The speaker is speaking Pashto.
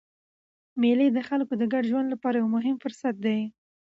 مېلې د خلکو د ګډ ژوند له پاره یو مهم فرصت دئ.